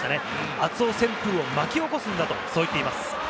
熱男旋風を巻き起こすんだ、そう言っています。